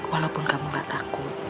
walaupun kamu gak takut